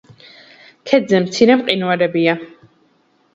ქედზე მცირე მყინვარებია.